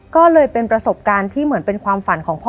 ก็เลยเป็นประสบการณ์ที่เหมือนเป็นความฝันของพ่อ